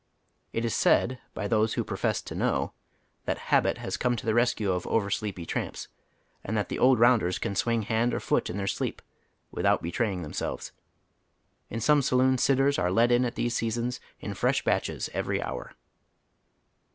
It is said by those who profess to know that Jiabit has come to the rescue of oversleepy tramps and that the old rounders can swing hand or foot in their bleep withont betraying themselves. In some saloons "sitters" are let iu at these eeasons in fresh batches every lionr.